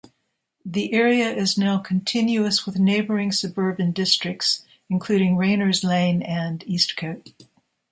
The area is now continuous with neighbouring suburban districts including Rayners Lane and Eastcote.